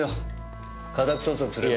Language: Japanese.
家宅捜索すれば。